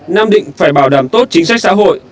nam định phải bảo đảm tốt chính sách xã hội